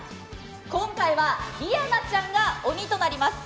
今回は梨亜奈ちゃんが鬼となります。